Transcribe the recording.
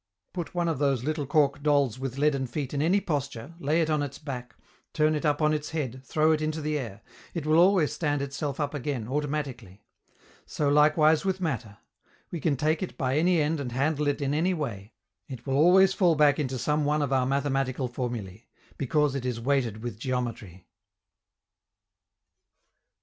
Put one of those little cork dolls with leaden feet in any posture, lay it on its back, turn it up on its head, throw it into the air: it will always stand itself up again, automatically. So likewise with matter: we can take it by any end and handle it in any way, it will always fall back into some one of our mathematical formulae, because it is weighted with geometry.